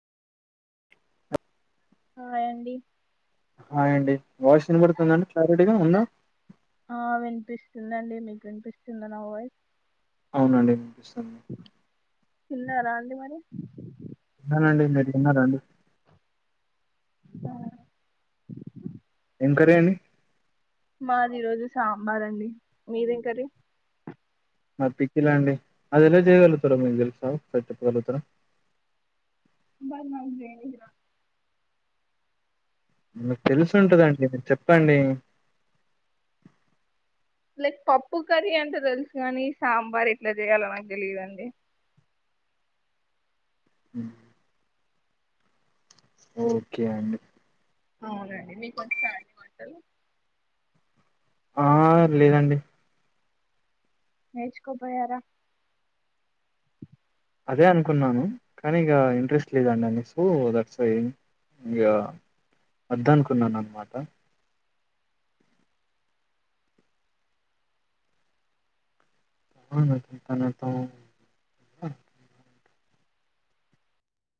hi అండి hi అండి voice వినబడుతుందండి క్లారటీగా ఉందా ఆ వినిపిస్తుందండి మీకు వినిపిస్తుంది నా వాయిస్ అవునండి వినిపిస్తుంది తిన్నారా అండి మరి విన్నానండి మీరు తిన్నారంండి ఏం కర్రీ అండి మాది రోజు సాంబార్ అండి మీరేం కర్రీ మా పిక్లా అండి అది ఎలా చేయగలుగుతారా మీకు తెలుసా సెట్ చెప్పగలుగుతారా బా మదరా [unintelligible] మీకు తెలిసు ఉంటదండి మీరు చెప్పండి లైక్ పప్పు కర్రీ అంట తెలుసు కాని సాంబార్ ఇట్లా చేయలో నాకు తెలిదుండి ఉమ్ ఓకే అండి అవునండి మీకు వచ్చా అండి వంటలు ఆ లేదండి నేర్చుకోపోయారా అదే అనుకున్నాను కానీ ఇక ఇంట్రెస్ట్ లేదండి అని సో దట్స్ వై ఇక వద్ద అనుకున్నాను అన్నమాట [unintelligible]